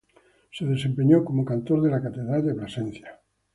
Se desempeñó como cantor de la Catedral de Plasencia.